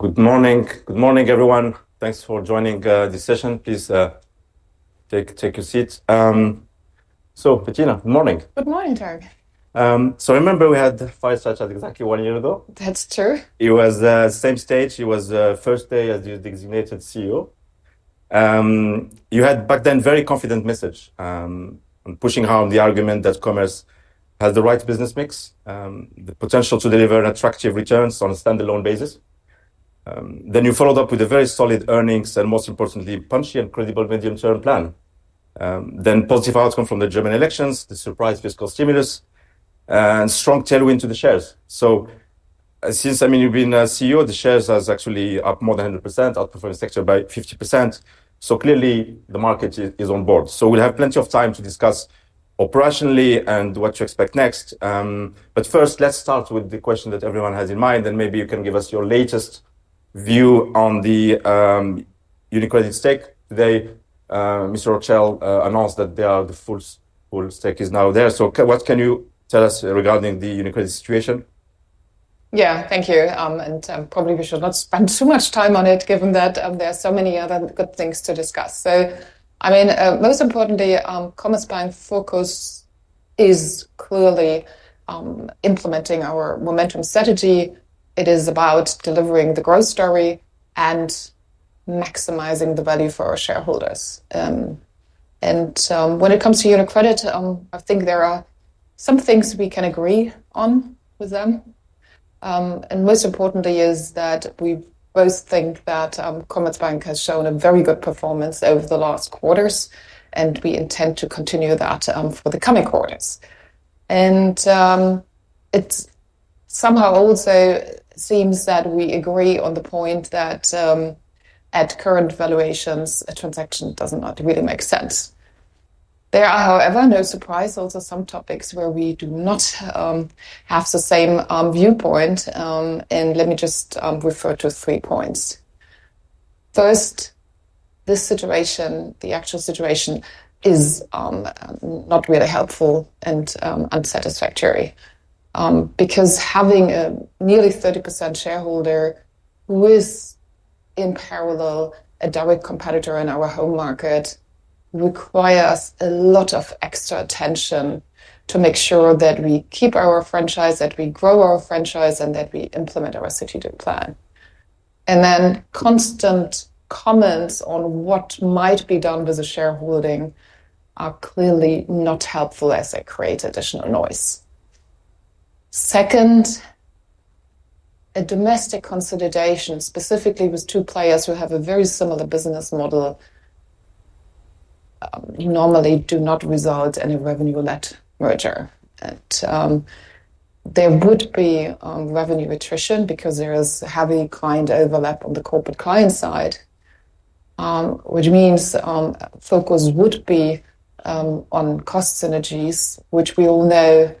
Good morning. Good morning, everyone. Thanks for joining this session. Please take your seat. Bettina, good morning. Good morning, Tarik. Remember we had five sessions exactly one year ago? That's true. It was the same stage. It was the first day as the designated CEO. You had back then a very confident message on pushing home the argument that Commerzbank has the right business mix, the potential to deliver attractive returns on a standalone basis. You followed up with a very solid earnings and, most importantly, a punchy and credible medium-term plan. Positive outcomes from the German elections, the surprise fiscal stimulus, and a strong tailwind to the shares. Since you've been a CEO, the shares are actually up more than 100%, outperforming the sector by 50%. Clearly, the market is on board. We'll have plenty of time to discuss operationally and what to expect next. First, let's start with the question that everyone has in mind. Maybe you can give us your latest view on the UniCredit stake. Today, Mr. Rothschild announced that the full stake is now there. What can you tell us regarding the UniCredit situation? Thank you. We should not spend too much time on it, given that there are so many other good things to discuss. Most importantly, Commerzbank's focus is clearly implementing our momentum strategy. It is about delivering the growth story and maximizing the value for our shareholders. When it comes to UniCredit, I think there are some things we can agree on with them. Most importantly, we both think that Commerzbank has shown a very good performance over the last quarters, and we intend to continue that for the coming quarters. It somehow also seems that we agree on the point that at current valuations, a transaction does not really make sense. There are, however, no surprise, also some topics where we do not have the same viewpoint. Let me just refer to three points. First, this situation, the actual situation, is not really helpful and unsatisfactory. Having a nearly 30% shareholder who is in parallel a direct competitor in our home market requires a lot of extra attention to make sure that we keep our franchise, that we grow our franchise, and that we implement our strategic plan. Constant comments on what might be done with the shareholding are clearly not helpful as they create additional noise. Second, a domestic consolidation, specifically with two players who have a very similar business model, normally does not result in a revenue-led merger. There would be revenue attrition because there is a heavy client overlap on the corporate client side, which means focus would be on cost synergies, which we all know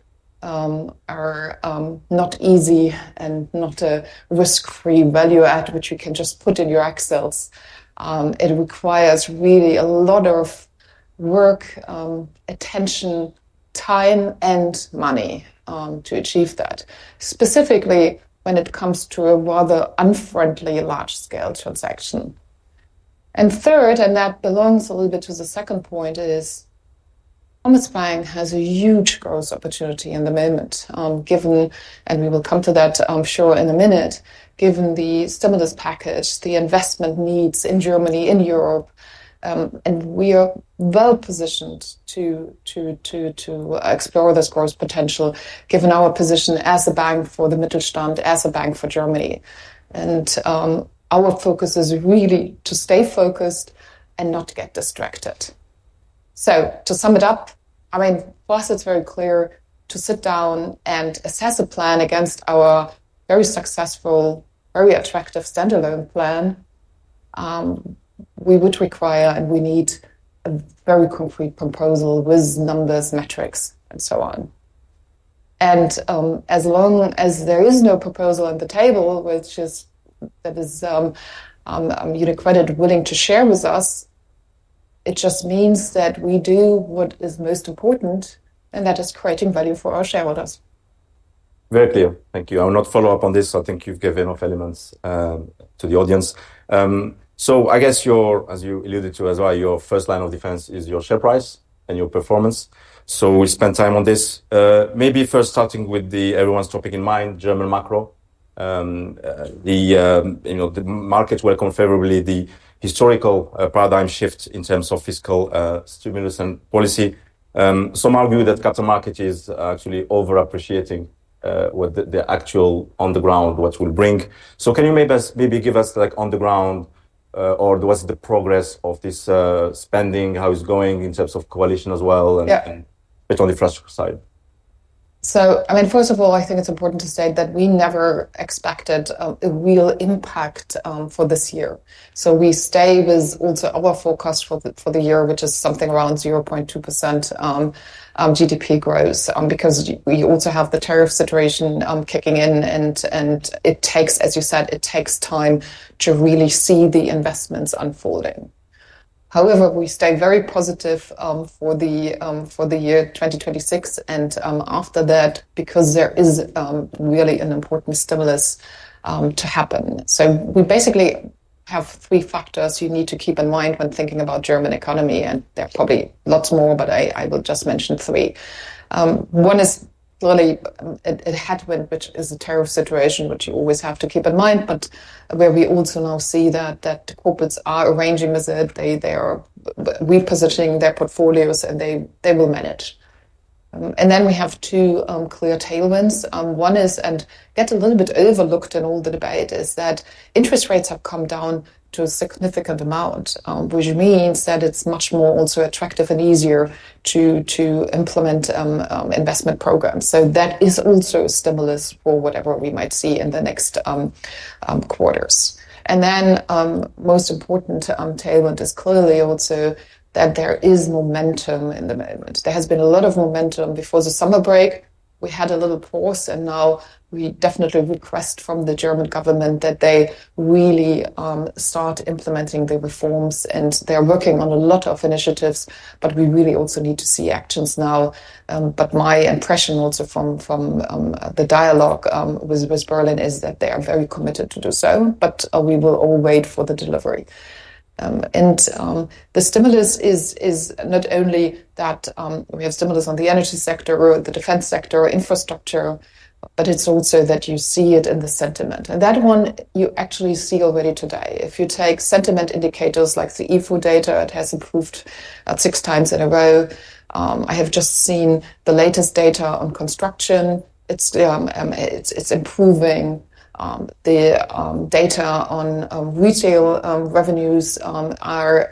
are not easy and not a risk-free value add, which you can just put in your Excels. It requires really a lot of work, attention, time, and money to achieve that, specifically when it comes to a rather unfriendly large-scale transaction. Third, and that belongs a little bit to the second point, is Commerzbank has a huge growth opportunity in the moment, given, and we will come to that, I'm sure, in a minute, given the stimulus package, the investment needs in Germany, in Europe. We are well positioned to explore this growth potential, given our position as a bank for the Mittelstand, as a bank for Germany. Our focus is really to stay focused and not get distracted. To sum it up, for us, it's very clear to sit down and assess a plan against our very successful, very attractive standalone plan. We would require, and we need a very concrete proposal with numbers, metrics, and so on. As long as there is no proposal on the table, which is that is UniCredit willing to share with us, it just means that we do what is most important, and that is creating value for our shareholders. Very clear. Thank you. I will not follow up on this. I think you've given enough elements to the audience. I guess your, as you alluded to as well, your first line of defense is your share price and your performance. We spent time on this. Maybe first starting with everyone's topic in mind, German macro. The markets welcome favorably the historical paradigm shift in terms of fiscal stimulus and policy. Some argue that the capital market is actually overappreciating what the actual on-the-ground, what it will bring. Can you maybe give us like on-the-ground or what's the progress of this spending, how it's going in terms of coalition as well, and a bit on the infrastructure side? First of all, I think it's important to say that we never expected a real impact for this year. We stay with our forecast for the year, which is something around 0.2% GDP growth because we also have the tariff situation kicking in. It takes, as you said, time to really see the investments unfolding. However, we stay very positive for the year 2026 and after that because there is really an important stimulus to happen. We basically have three factors you need to keep in mind when thinking about the German economy, and there are probably lots more, but I will just mention three. One is clearly a headwind, which is a tariff situation, which you always have to keep in mind, but where we also now see that the corporates are arranging with it. They are repositioning their portfolios, and they will manage. We have two clear tailwinds. One is, and gets a little bit overlooked in all the debate, that interest rates have come down to a significant amount, which means that it's much more attractive and easier to implement investment programs. That is also a stimulus for whatever we might see in the next quarters. The most important tailwind is clearly also that there is momentum in the moment. There has been a lot of momentum before the summer break. We had a little pause, and now we definitely request from the German government that they really start implementing the reforms. They are working on a lot of initiatives, but we really also need to see actions now. My impression also from the dialogue with Berlin is that they are very committed to do so, but we will all wait for the delivery. The stimulus is not only that we have stimulus on the energy sector or the defense sector or infrastructure, but it's also that you see it in the sentiment. That one you actually see already today. If you take sentiment indicators like the IFO data, it has improved 6x in a row. I have just seen the latest data on construction. It's improving. The data on retail revenues are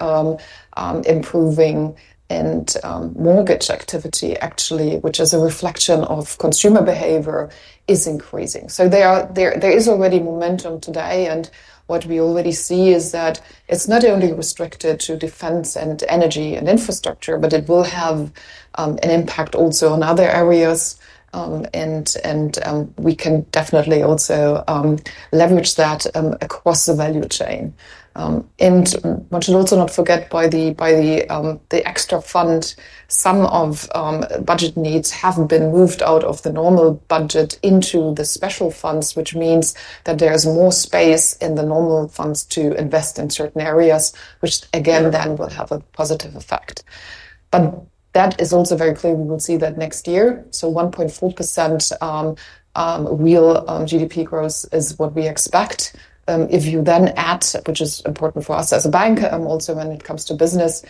improving, and mortgage activity actually, which is a reflection of consumer behavior, is increasing. There is already momentum today. What we already see is that it's not only restricted to defense and energy and infrastructure, but it will have an impact also on other areas. We can definitely also leverage that across the value chain. We should also not forget by the extra fund, some of the budget needs have been moved out of the normal budget into the special funds, which means that there is more space in the normal funds to invest in certain areas, which again then will have a positive effect. That is also very clear. We will see that next year. 1.4% real GDP growth is what we expect. If you then add, which is important for us as a bank, also when it comes to business,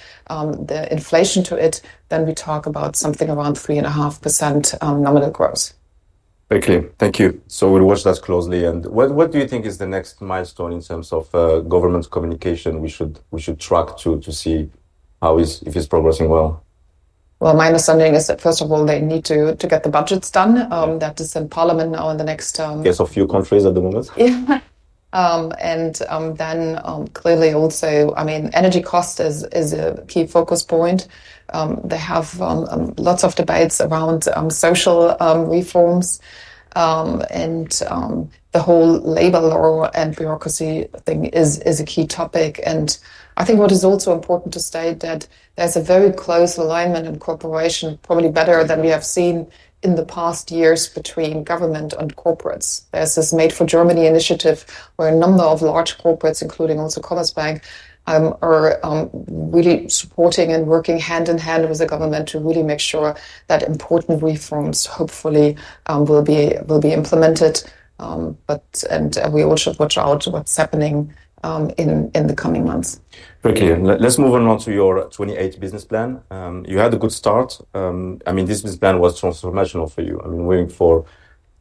the inflation to it, then we talk about something around 3.5% nominal growth. Very clear. Thank you. We'll watch that closely. What do you think is the next milestone in terms of government communication we should track to see how it's progressing well? My understanding is that, first of all, they need to get the budgets done. That is in parliament now in the next. Yes, a few countries at the moment. Yeah. Clearly also, I mean, energy cost is a key focus point. They have lots of debates around social reforms. The whole labor law and bureaucracy thing is a key topic. I think what is also important to state is that there's a very close alignment and cooperation, probably better than we have seen in the past years, between government and corporates. There's this Made for Germany initiative where a number of large corporates, including also Commerzbank, are really supporting and working hand in hand with the government to really make sure that important reforms hopefully will be implemented. We all should watch out what's happening in the coming months. Very clear. Let's move on to your 2028 business plan. You had a good start. I mean, this business plan was transformational for you. I mean, going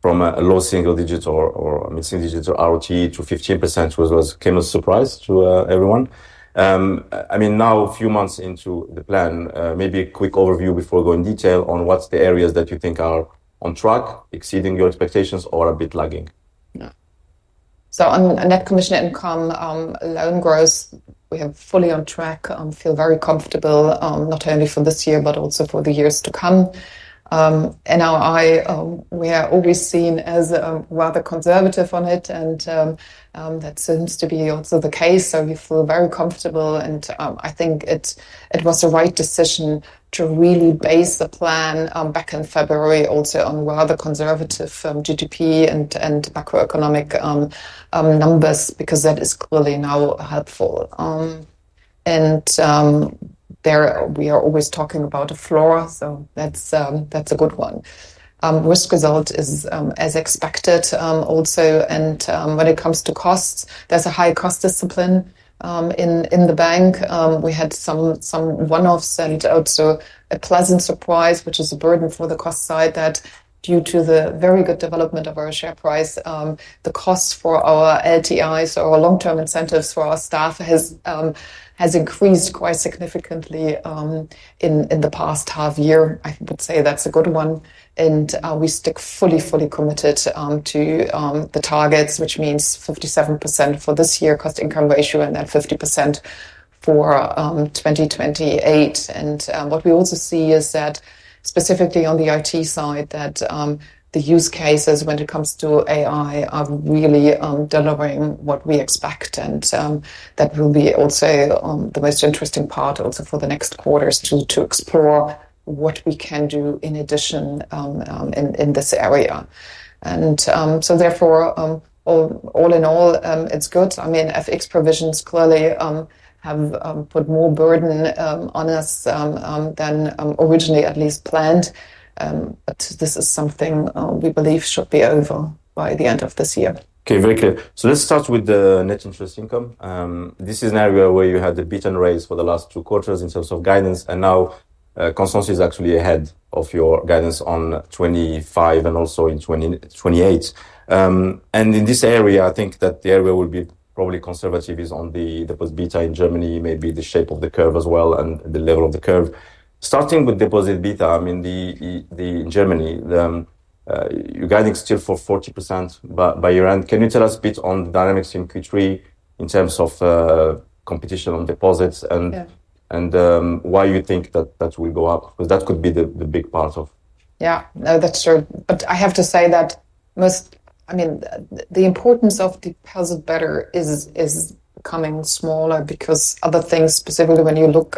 from a low single-digit or a mid-single-digit to ROT to 15% was a kind of surprise to everyone. I mean, now a few months into the plan, maybe a quick overview before we go in detail on what are the areas that you think are on track, exceeding your expectations, or a bit lagging? Yeah. On net commission income, loan growth, we are fully on track. I feel very comfortable, not only for this year, but also for the years to come. We are always seen as rather conservative on it, and that seems to be also the case. We feel very comfortable. I think it was the right decision to really base the plan back in February also on rather conservative GDP and macroeconomic numbers because that is clearly now helpful. We are always talking about a floor, so that's a good one. Risk result is as expected also. When it comes to costs, there's a high cost discipline in the bank. We had some one-offs and also a pleasant surprise, which is a burden for the cost side, that due to the very good development of our share price, the cost for our LTIs, our long-term incentives for our staff, has increased quite significantly in the past half year. I would say that's a good one. We stick fully, fully committed to the targets, which means 57% for this year cost-to-income ratio and then 50% for 2028. We also see that specifically on the IT side, the use cases when it comes to AI are really delivering what we expect. That will be also the most interesting part for the next quarters to explore what we can do in addition in this area. Therefore, all in all, it's good. FX provisions clearly have put more burden on us than originally at least planned. This is something we believe should be over by the end of this year. Okay, very clear. Let's start with the net interest income. This is an area where you had the beta and raise for the last two quarters in terms of guidance. Now consensus is actually ahead of your guidance on 2025 and also in 2028. In this area, I think that the area we'll be probably conservative is on the deposit beta in Germany, maybe the shape of the curve as well, and the level of the curve. Starting with deposit beta, I mean, in Germany, you're guiding still for 40% by year end. Can you tell us a bit on the dynamics in Q3 in terms of competition on deposits and why you think that that will go up? That could be the big part of. Yeah, that's true. I have to say that most, I mean, the importance of deposit beta is becoming smaller because other things, specifically when you look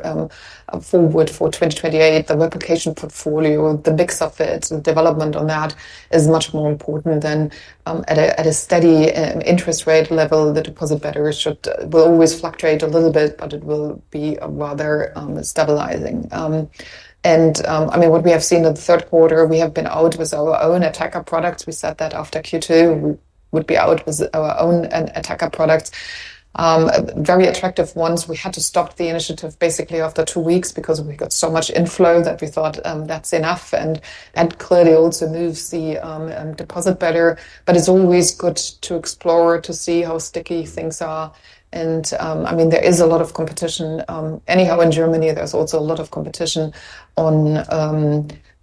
forward for 2028, the replication portfolio, the mix of it, the development on that is much more important than at a steady interest rate level. The deposit beta will always fluctuate a little bit, but it will be rather stabilizing. What we have seen in the third quarter, we have been out with our own attacker products. We said that after Q2, we would be out with our own attacker products, very attractive ones. We had to stop the initiative basically after two weeks because we got so much inflow that we thought that's enough and clearly also moved the deposit beta. It's always good to explore to see how sticky things are. There is a lot of competition. Anyhow, in Germany, there's also a lot of competition on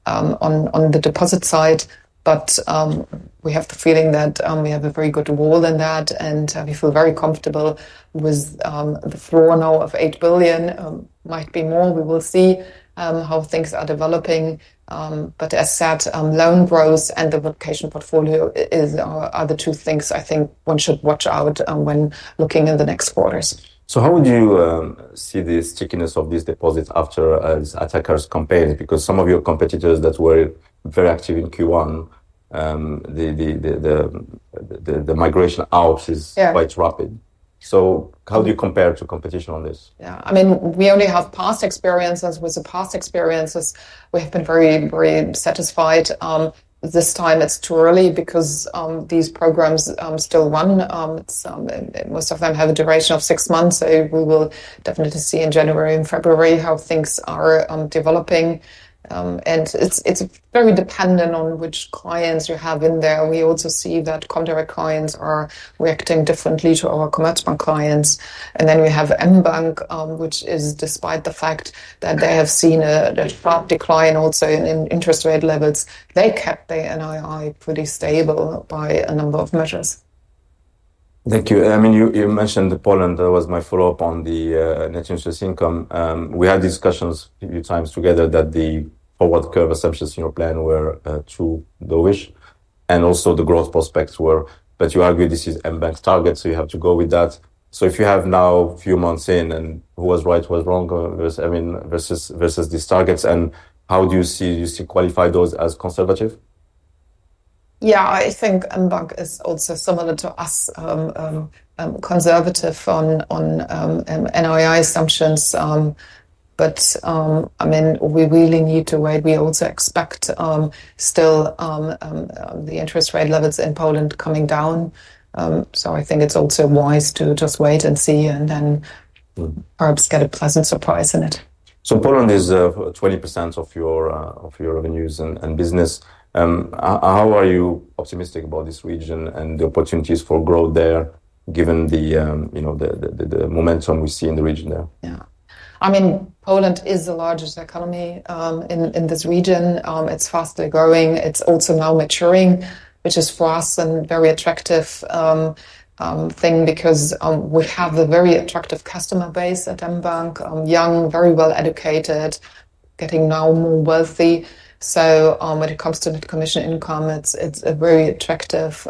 the deposit side. We have the feeling that we have a very good wall in that. We feel very comfortable with the floor now of 8 billion. Might be more. We will see how things are developing. As said, loan growth and the replication portfolio are the two things I think one should watch out when looking in the next quarters. How would you see the stickiness of these deposits after attackers' campaigns? Because some of your competitors that were very active in Q1, the migration out is quite rapid. How do you compare to competition on this? Yeah, I mean, we only have past experiences. With the past experiences, we have been very, very satisfied. This time, it's too early because these programs still run. Most of them have a duration of six months. We will definitely see in January and February how things are developing. It is very dependent on which clients you have in there. We also see that comdirect digital banking clients are reacting differently to our Commerzbank clients. We have mBank, which is, despite the fact that they have seen a sharp decline also in interest rate levels, they kept their NII pretty stable by a number of measures. Thank you. I mean, you mentioned Poland. That was my follow-up on the net interest income. We had discussions a few times together that the forward curve assumptions in your plan were too lowish and also the growth prospects were. You argue this is mBank's target, so you have to go with that. If you have now a few months in and who was right, who was wrong, I mean, versus these targets, and how do you see you qualify those as conservative? Yeah, I think mBank is also similar to us, conservative on NII assumptions. I mean, we really need to wait. We also expect still the interest rate levels in Poland coming down. I think it's also wise to just wait and see, and then perhaps get a pleasant surprise in it. Poland is 20% of your revenues and business. How are you optimistic about this region and the opportunities for growth there, given the momentum we see in the region there? Yeah, I mean, Poland is the largest economy in this region. It's faster growing. It's also now maturing, which is for us a very attractive thing because we have a very attractive customer base at mBank, young, very well educated, getting now more wealthy. When it comes to net commission income, it's a very attractive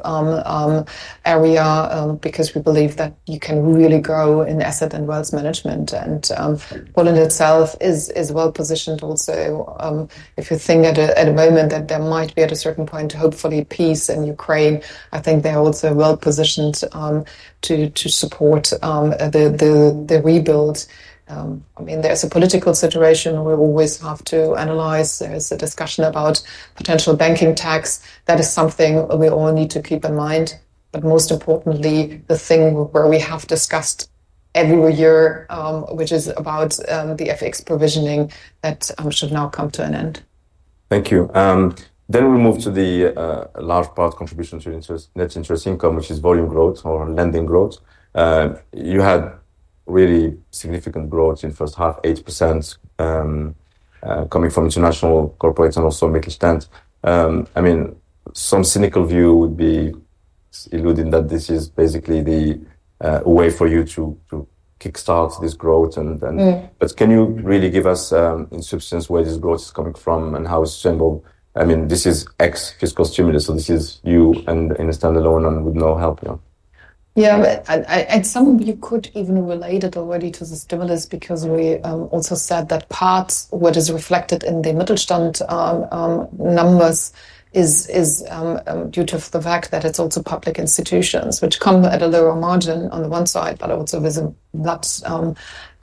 area because we believe that you can really grow in asset and wealth management. Poland itself is well positioned also. If you think at a moment that there might be at a certain point, hopefully, peace in Ukraine, I think they're also well positioned to support the rebuild. There is a political situation we always have to analyze. There is a discussion about potential banking tax. That is something we all need to keep in mind. Most importantly, the thing where we have discussed every year, which is about the FX provisioning, that should now come to an end. Thank you. We will move to the large part contribution to net interest income, which is volume growth or lending growth. You had really significant growth in the first half, 8% coming from international corporates and also mid-extent. I mean, some cynical view would be eluding that this is basically the way for you to kickstart this growth. Can you really give us in substance where this growth is coming from and how it's sustainable? I mean, this is ex-fiscal stimulus. This is you and in a standalone and with no help. Yeah, some of you could even relate it already to the stimulus because we also said that part of what is reflected in the Mittelstand numbers is due to the fact that it's also public institutions, which come at a lower margin on the one side, but also with a lot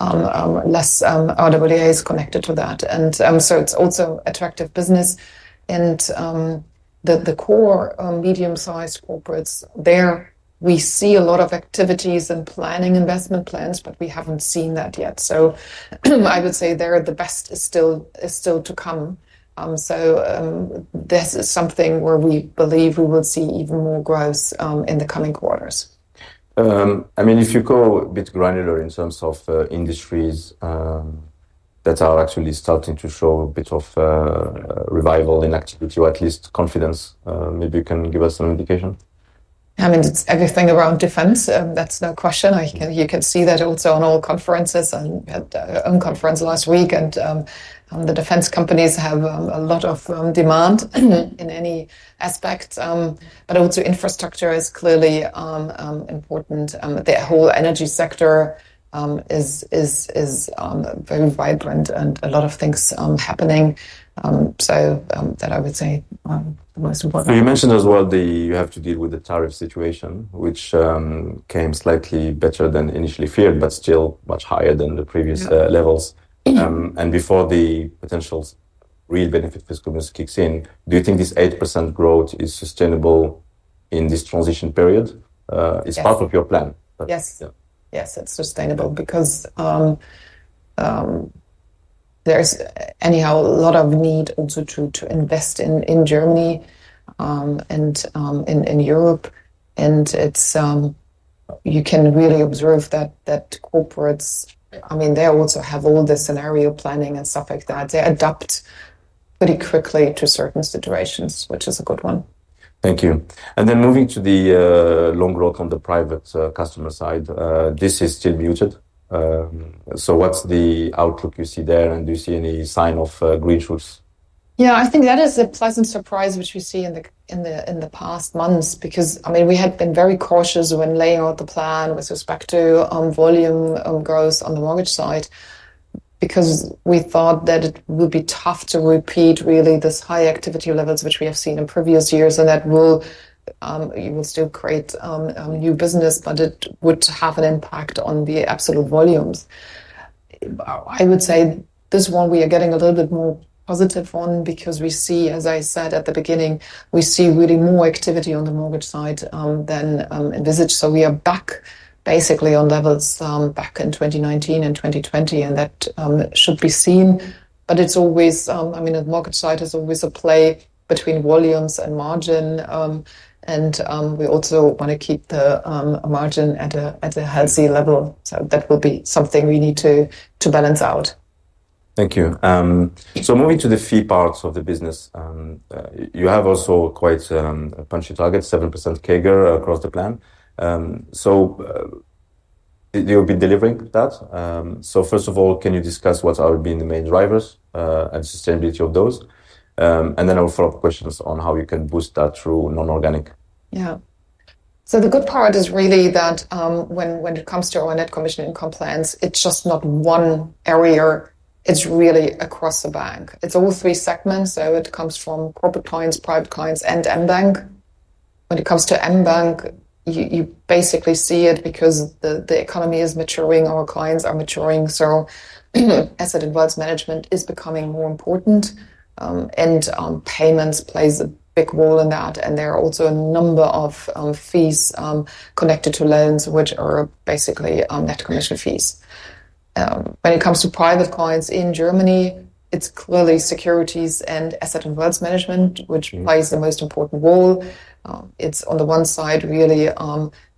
less RWAs connected to that. It's also attractive business. The core medium-sized corporates, there we see a lot of activities and planning investment plans, but we haven't seen that yet. I would say there the best is still to come. This is something where we believe we will see even more growth in the coming quarters. If you go a bit granular in terms of industries that are actually starting to show a bit of revival in activity or at least confidence, maybe you can give us an indication? I mean, it's everything around defense. That's no question. You can see that also on all conferences. We had our own conference last week, and the defense companies have a lot of demand in any aspect. Also, infrastructure is clearly important. The whole energy sector is very vibrant and a lot of things happening. That I would say is the most important. You mentioned as well you have to deal with the tariff situation, which came slightly better than initially feared, but still much higher than the previous levels. Before the potential real benefit for fiscal business kicks in, do you think this 8% growth is sustainable in this transition period? It's part of your plan. Yes, yes, it's sustainable because there's anyhow a lot of need also to invest in Germany and in Europe. You can really observe that corporates, I mean, they also have all this scenario planning and stuff like that. They adapt pretty quickly to certain situations, which is a good one. Thank you. Moving to the long road on the private customer side, this is still muted. What's the outlook you see there? Do you see any sign of green shoots? Yeah, I think that is a pleasant surprise, which we see in the past months because, I mean, we had been very cautious when laying out the plan with respect to volume growth on the mortgage side because we thought that it would be tough to repeat really these high activity levels, which we have seen in previous years, and that will still create new business, but it would have an impact on the absolute volumes. I would say this one we are getting a little bit more positive on because we see, as I said at the beginning, we see really more activity on the mortgage side than envisaged. We are back basically on levels back in 2019 and 2020, and that should be seen. The mortgage side is always a play between volumes and margin. We also want to keep the margin at a healthy level. That will be something we need to balance out. Thank you. Moving to the feedbacks of the business, you have also quite a punchy target, 7% CAGR across the plan. You'll be delivering that. First of all, can you discuss what are being the main drivers and sustainability of those? I will follow up questions on how you can boost that through non-organic. Yeah. The good part is really that when it comes to our net commission income, it's just not one area. It's really across the bank. It's all three segments. It comes from Corporate Clients, Private Clients, and mBank. When it comes to mBank, you basically see it because the economy is maturing. Our clients are maturing. Asset and wealth management is becoming more important, and payments play a big role in that. There are also a number of fees connected to loans, which are basically net commission fees. When it comes to Private and Small-Business Customers in Germany, it's clearly securities and asset and wealth management, which plays the most important role. It's on the one side really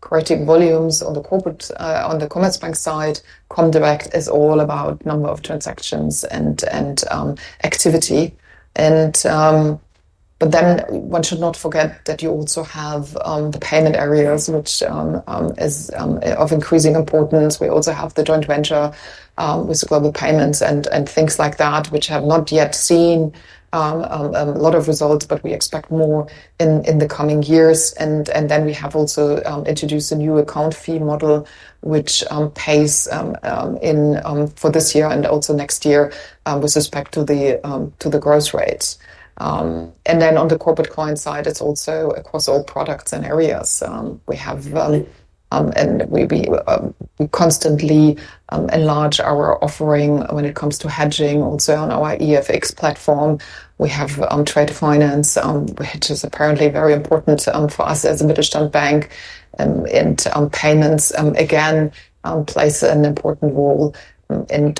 creating volumes on the Corporate Clients side of Commerzbank. Comdirect is all about the number of transactions and activity. One should not forget that you also have the payment areas, which are of increasing importance. We also have the joint venture with Global Payments and things like that, which have not yet seen a lot of results, but we expect more in the coming years. We have also introduced a new account fee model, which pays for this year and also next year with respect to the growth rates. On the Corporate Clients side, it's also across all products and areas. We have and we constantly enlarge our offering when it comes to hedging also on our EFX platform. We have trade finance, which is apparently very important for us as a Mittelstand bank, and payments again play an important role.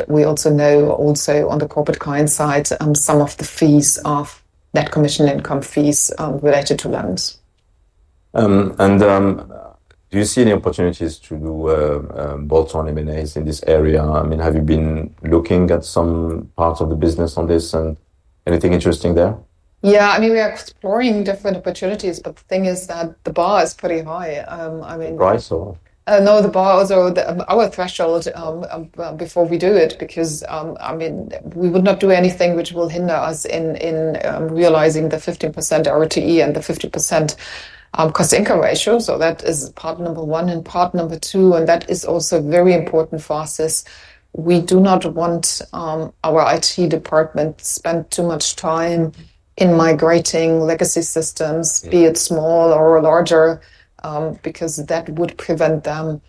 We also know on the Corporate Clients side, some of the fees are net commission income fees related to loans. Do you see any opportunities to do bolt-on M&A in this area? I mean, have you been looking at some parts of the business on this, and anything interesting there? Yeah, I mean, we are exploring different opportunities, but the thing is that the bar is pretty high. Price or? No, the bar, also our threshold before we do it because, I mean, we would not do anything which will hinder us in realizing the 15% ROT and the 50% cost-income ratio. That is part number one and part number two. That is also very important for us. We do not want our IT department to spend too much time in migrating legacy systems, be it small or larger, because that would prevent them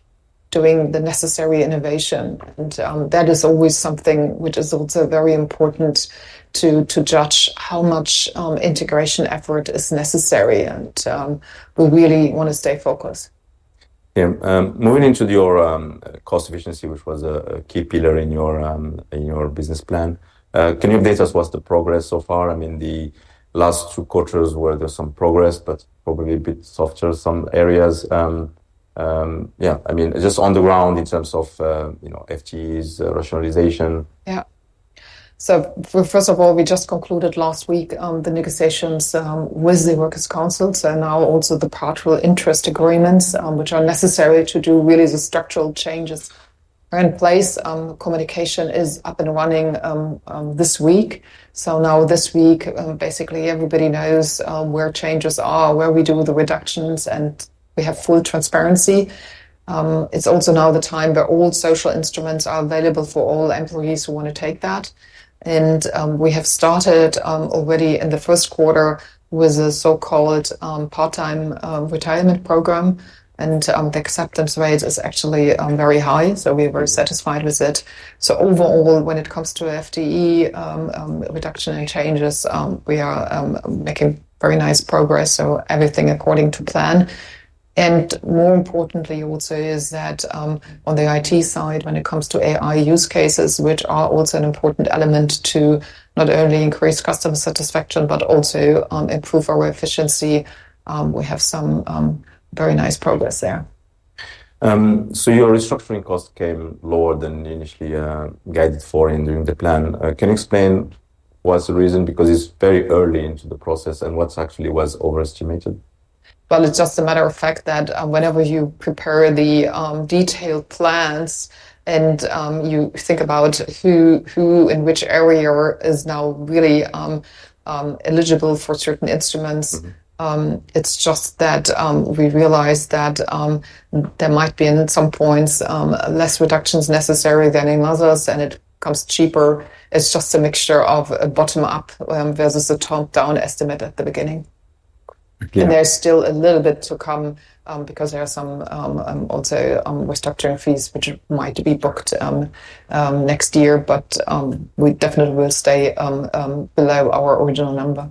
doing the necessary innovation. That is always something which is also very important to judge how much integration effort is necessary. We really want to stay focused. Yeah, moving into your cost efficiency, which was a key pillar in your business plan, can you update us what's the progress so far? I mean, the last two quarters, was there some progress, but probably a bit softer in some areas. I mean, just on the ground in terms of FTE reductions, rationalization. Yeah. First of all, we just concluded last week the negotiations with the Workers' Council. Now also the part of interest agreements, which are necessary to do really the structural changes, are in place. Communication is up and running this week. This week, basically everybody knows where changes are, where we do the reductions, and we have full transparency. It's also now the time where all social instruments are available for all employees who want to take that. We have started already in the first quarter with a so-called part-time retirement program, and the acceptance rate is actually very high. We're very satisfied with it. Overall, when it comes to FTE reduction and changes, we are making very nice progress. Everything according to plan. More importantly, also on the IT side, when it comes to AI use cases, which are also an important element to not only increase customer satisfaction but also improve our efficiency, we have some very nice progress there. Your restructuring cost came lower than initially guided for in the plan. Can you explain what's the reason because it's very early into the process, and what actually was overestimated? It is just a matter of fact that whenever you prepare the detailed plans and you think about who in which area is now really eligible for certain instruments, it is just that we realize that there might be in some points less reductions necessary than in others, and it comes cheaper. It is just a mixture of a bottom-up versus a top-down estimate at the beginning. There is still a little bit to come because there are also some restructuring fees which might be booked next year, but we definitely will stay below our original number.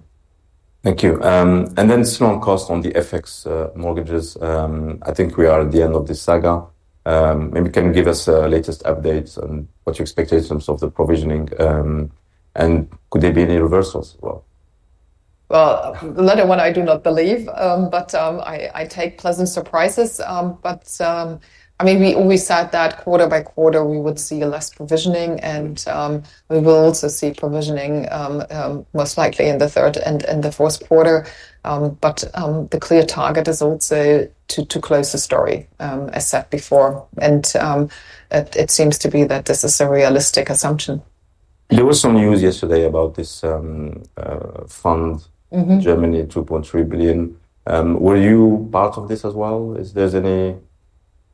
Thank you. A small cost on the FX mortgages. I think we are at the end of this saga. Maybe can you give us the latest updates on what you expect in terms of the provisioning? Could there be any reversals? I do not believe, but I take pleasant surprises. I mean, we always said that quarter-by-quarter we would see less provisioning, and we will also see provisioning most likely in the third and the fourth quarter. The clear target is also to close the story, as said before. It seems to be that this is a realistic assumption. There was some news yesterday about this fund, Germany 2.3 billion. Were you part of this as well? Is there any?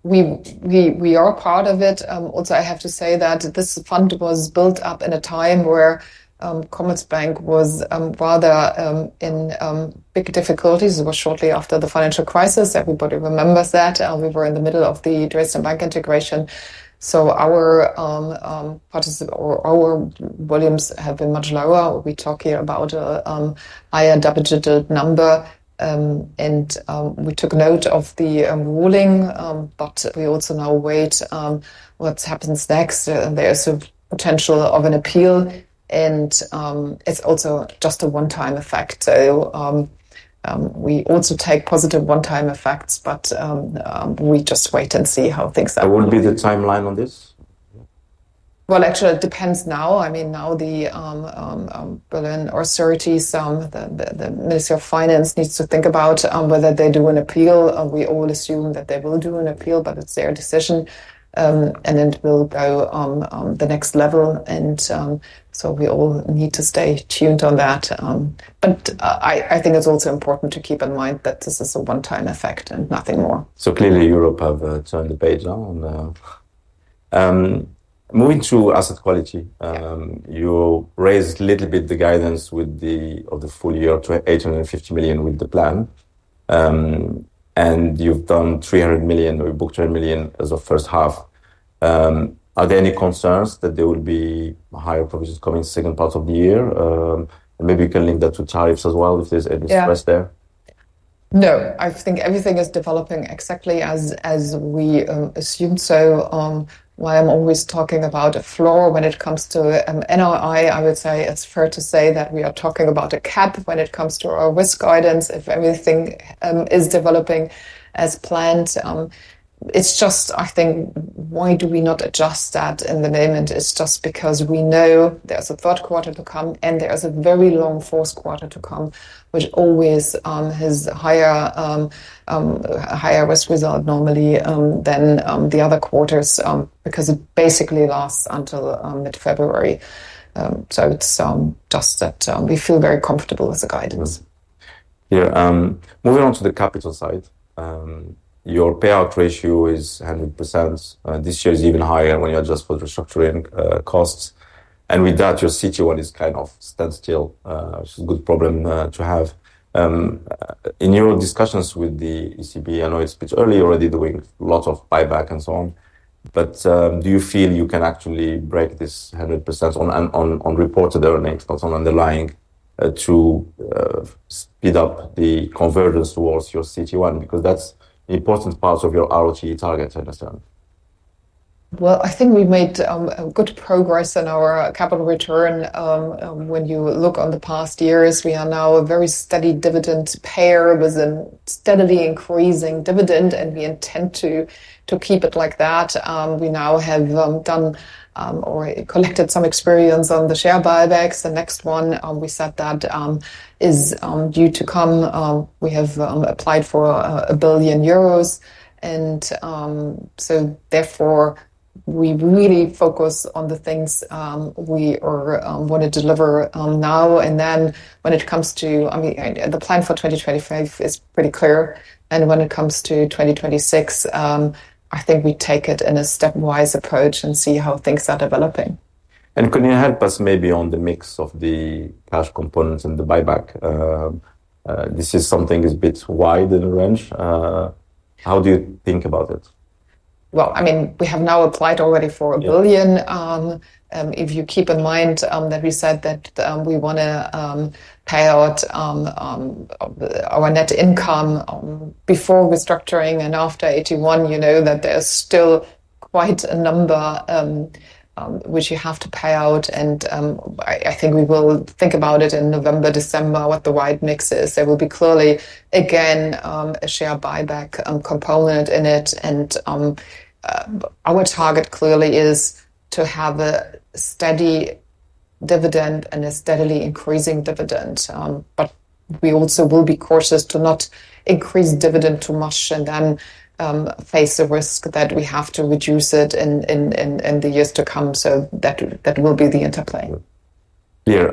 We are part of it. Also, I have to say that this fund was built up in a time where Commerzbank was rather in big difficulties. It was shortly after the financial crisis. Everybody remembers that. We were in the middle of the Deutsche Bank integration. Our volumes have been much lower. We talk here about a higher double-digit number. We took note of the ruling, but we also now wait what happens next. There is a potential of an appeal, and it's also just a one-time effect. We also take positive one-time effects, but we just wait and see how things are. What would be the timeline on this? Actually, it depends now. I mean, now the Berlin Authority, the Minister of Finance, needs to think about whether they do an appeal. We all assume that they will do an appeal, but it's their decision. It will go the next level, so we all need to stay tuned on that. I think it's also important to keep in mind that this is a one-time effect and nothing more. Clearly, Europe has turned the page now. Moving to asset quality, you raised a little bit the guidance of the full year, 850 million with the plan, and you've done 300 million. We booked 200 million as the first half. Are there any concerns that there will be higher provisions coming in the second part of the year? Maybe you can link that to tariffs as well, if there's any stress there. No, I think everything is developing exactly as we assumed. While I'm always talking about a floor when it comes to NII, I would say it's fair to say that we are talking about a cap when it comes to our risk guidance. If everything is developing as planned, it's just, I think, why do we not adjust that in the name? It's just because we know there's a third quarter to come and there's a very long fourth quarter to come, which always has a higher risk result normally than the other quarters because it basically lasts until mid-February. It's just that we feel very comfortable with the guidance. Yeah, moving on to the capital side, your payout ratio is 100%. This year is even higher when you adjust for the restructuring costs. With that, your CET1 is kind of standstill, which is a good problem to have. In your discussions with the ECB, I know it's early, already doing a lot of buyback and so on. Do you feel you can actually break this 100% on reported earnings, not on underlying, to speed up the convergence towards your CET1? That's an important part of your ROT target, I understand. I think we made good progress in our capital return. When you look on the past years, we are now a very steady dividend payer with a steadily increasing dividend, and we intend to keep it like that. We now have done or collected some experience on the share buybacks. The next one we said that is due to come. We have applied for 1 billion euros. Therefore, we really focus on the things we want to deliver now. The plan for 2025 is pretty clear. When it comes to 2026, I think we take it in a stepwise approach and see how things are developing. Can you help us maybe on the mix of the cash components and the buyback? This is something a bit wide in the range. How do you think about it? I mean, we have now applied already for 1 billion. If you keep in mind that we said that we want to pay out our net income before restructuring and after '81, you know that there's still quite a number which you have to pay out. I think we will think about it in November, December, what the wide mix is. There will be clearly, again, a share buyback component in it. Our target clearly is to have a steady dividend and a steadily increasing dividend. We also will be cautious to not increase dividend too much and then face the risk that we have to reduce it in the years to come. That will be the interplay. Yeah.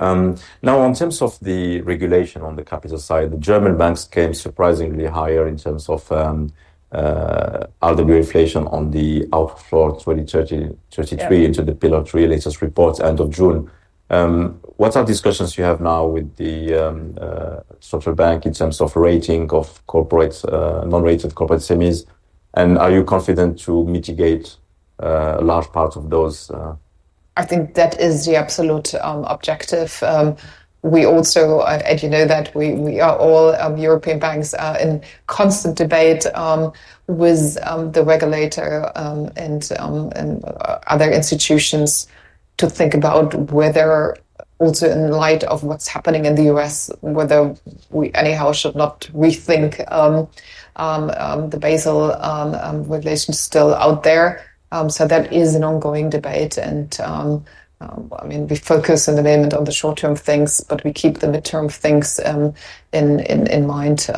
In terms of the regulation on the capital side, the German banks came surprisingly higher in terms of RWA inflation on the outflow 2033 into the Pillar 3 latest reports end of June. What are the discussions you have now with the structural bank in terms of rating of corporates, non-rated corporate semis? Are you confident to mitigate a large part of those? I think that is the absolute objective. We also, as you know, that we are all European banks in constant debate with the regulator and other institutions to think about whether also in light of what's happening in the U.S., whether we anyhow should not rethink the Basel regulations still out there. That is an ongoing debate. I mean, we focus in the moment on the short-term things, but we keep the midterm things in mind.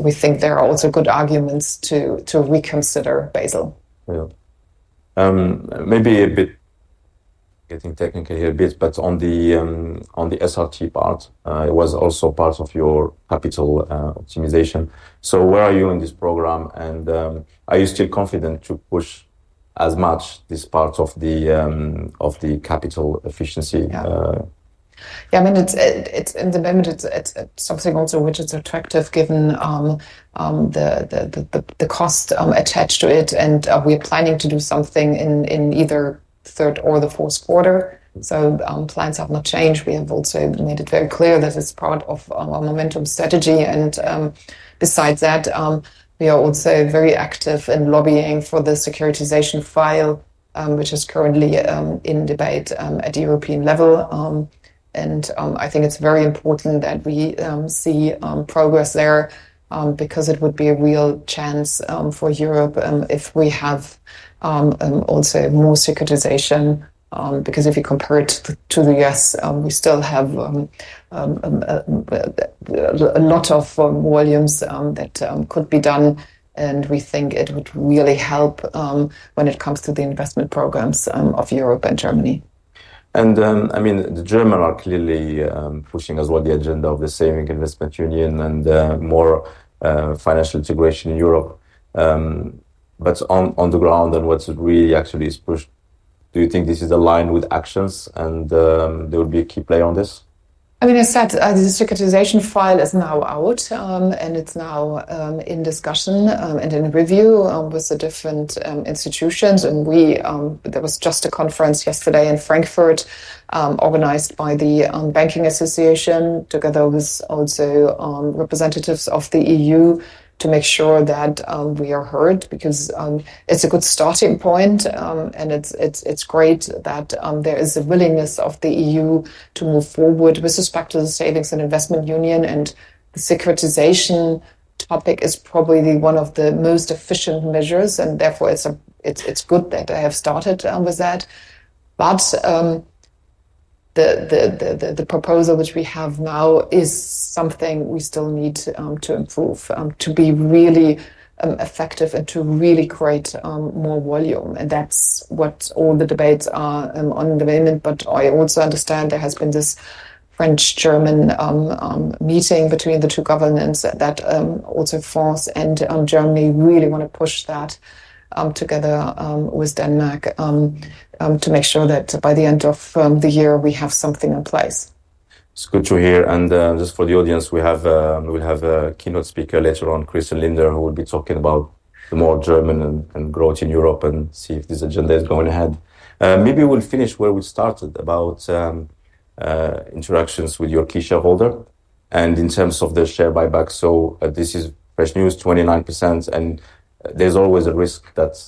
We think there are also good arguments to reconsider Basel. Maybe getting technical here a bit, but on the SRT part, it was also part of your capital optimization. Where are you in this program? Are you still confident to push as much this part of the capital efficiency? Yeah, I mean, it's in the moment, it's something also which is attractive given the cost attached to it. We are planning to do something in either the third or the fourth quarter. Plans have not changed. We have also made it very clear that it's part of our momentum strategy. Besides that, we are also very active in lobbying for the securitization file, which is currently in debate at the European level. I think it's very important that we see progress there because it would be a real chance for Europe if we have also more securitization. If you compare it to the U.S., we still have a lot of volumes that could be done. We think it would really help when it comes to the investment programs of Europe and Germany. The German are clearly pushing the agenda of the Saving Investment Union and more financial integration in Europe. On the ground, and what really actually is pushed, do you think this is aligned with actions and there will be a key player on this? I mean, as I said, the securitization file is now out and it's now in discussion and in review with the different institutions. There was just a conference yesterday in Frankfurt organized by the Banking Association together with also representatives of the EU to make sure that we are heard because it's a good starting point. It's great that there is a willingness of the EU to move forward with respect to the Savings and Investment Union. The securitization topic is probably one of the most efficient measures. Therefore, it's good that they have started with that. The proposal which we have now is something we still need to improve to be really effective and to really create more volume. That's what all the debates are on the moment. I also understand there has been this French-German meeting between the two governments that also France and Germany really want to push that together with Denmark to make sure that by the end of the year we have something in place. It's good to hear. Just for the audience, we will have a keynote speaker later on, Kristin Linder, who will be talking about more German and growth in Europe and see if this agenda is going ahead. Maybe we'll finish where we started about interactions with your key shareholder. In terms of the share buyback, this is fresh news, 29%. There's always a risk that,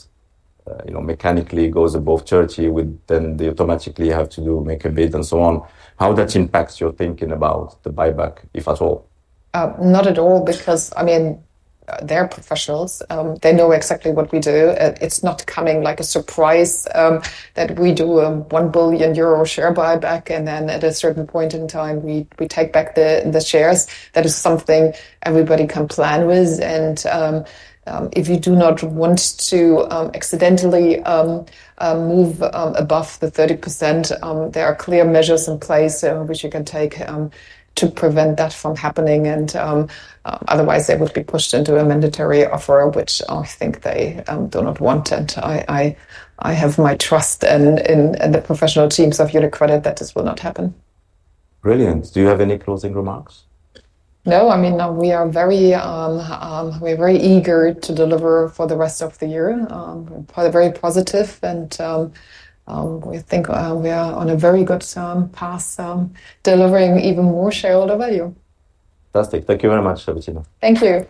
you know, mechanically goes above 30%, then they automatically have to make a bid and so on. How that impacts your thinking about the buyback, if at all? Not at all, because I mean, they're professionals. They know exactly what we do. It's not coming like a surprise that we do a 1 billion euro share buyback. At a certain point in time, we take back the shares. That is something everybody can plan with. If you do not want to accidentally move above the 30%, there are clear measures in place which you can take to prevent that from happening. Otherwise, it would be pushed into a mandatory offer, which I think they do not want. I have my trust in the professional teams of UniCredit that this will not happen. Brilliant. Do you have any closing remarks? No, I mean, we are very eager to deliver for the rest of the year. We're very positive, and we think we are on a very good path, delivering even more shareholder value. Fantastic. Thank you very much, B. Thank you.